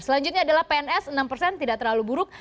selanjutnya adalah pns enam persen tidak terlalu buruk